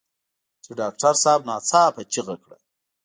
چې ډاکټر صاحب ناڅاپه چيغه کړه.